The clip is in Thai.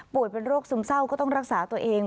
เป็นโรคซึมเศร้าก็ต้องรักษาตัวเอง